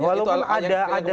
walaupun ada ada